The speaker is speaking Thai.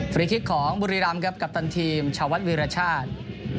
รีคลิกของบุรีรำครับกัปตันทีมชาววัดวิรชาติ